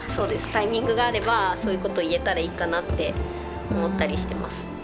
タイミングがあればそういうこと言えたらいいかなって思ったりしてます。